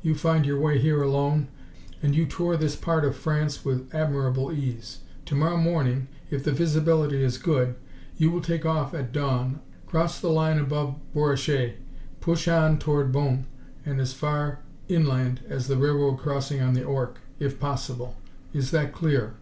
You find your way here alone, and you tour this part of France with admirable ease. To morrow morning, if the visibility is good, you will take off at dawn, cross the line above Bouresches, push on toward Bonnes and as far inland as the railroad crossing on the Ourcq if possible. Is that clear?"